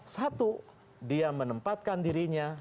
satu dia menempatkan dirinya